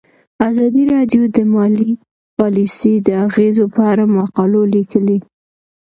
ازادي راډیو د مالي پالیسي د اغیزو په اړه مقالو لیکلي.